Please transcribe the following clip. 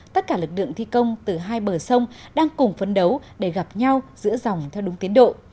tất cả lực lượng thi công từ hai bờ sông đang cùng phấn đấu để gặp nhau giữa dòng theo đúng tiến độ